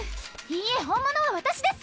いいえ本物は私です。